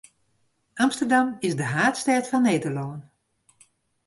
Amsterdam is de haadstêd fan Nederlân.